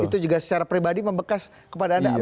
itu juga secara pribadi membekas kepada anda